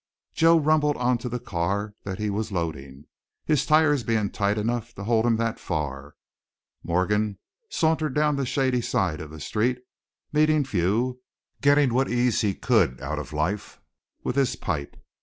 Joe rumbled on to the car that he was loading, his tires being tight enough to hold him that far. Morgan sauntered down the shady side of the street, meeting few, getting what ease he could out of life with his pipe.